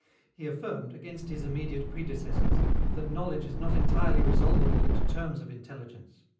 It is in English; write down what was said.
He affirmed, against his immediate predecessors, that knowledge is not entirely resolvable into terms of intelligence.